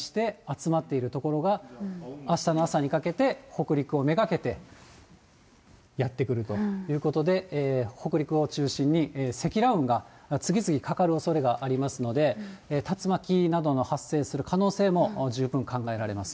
風がう回して、集まっている所が、あしたの朝にかけて、北陸をめがけて、やって来るということで、北陸を中心に積乱雲が次々かかるおそれがありますので、竜巻などの発生する可能性も十分考えられます。